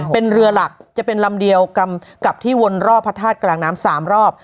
เป็นเรือหลักจะเป็นลำเดียวกับที่วนรอบพระธาตุกลางน้ำ๓รอบ